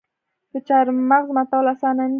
د چهارمغز ماتول اسانه نه دي.